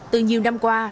từ nhiều năm qua